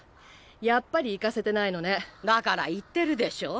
やっぱり行かせてないのねだから言ってるでしょう